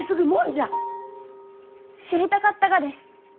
知りたかったがです。